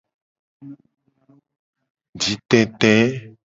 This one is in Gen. Jitete.